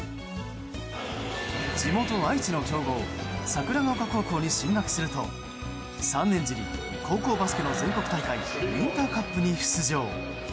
地元・愛知の強豪桜丘高校に進学すると３年時に高校バスケの全国大会ウインターカップに出場。